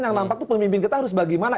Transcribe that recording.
yang nampak itu pemimpin kita harus bagaimana